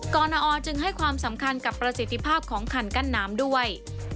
รณอจึงให้ความสำคัญกับประสิทธิภาพของคันกั้นน้ำด้วย